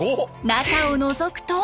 中をのぞくと。